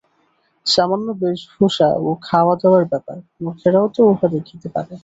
সামান্য বেশভূষা ও খাওয়া-দাওয়ার ব্যাপার! মূর্খেরাও তো উহা দেখিতে পারে।